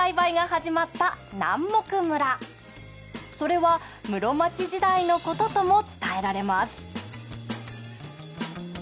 それは室町時代のこととも伝えられます。